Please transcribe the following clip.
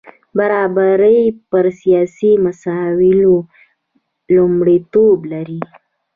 برابري پر سیاسي مسایلو لومړیتوب لري.